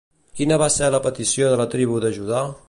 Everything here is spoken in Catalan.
Quina va ser la petició de la tribu de Judà?